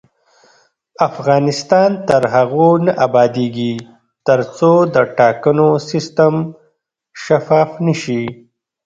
افغانستان تر هغو نه ابادیږي، ترڅو د ټاکنو سیستم شفاف نشي.